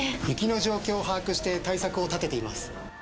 雪の状況を把握して対策を立てています。